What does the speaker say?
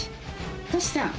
トシさん。